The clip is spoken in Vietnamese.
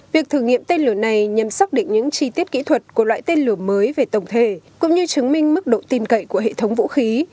việc thử nghiệm tên lửa này nhằm xác định những chi tiết kỹ thuật của loại tên lửa mới về tổng thể cũng như chứng minh mức độ tin cậy của hệ thống vũ khí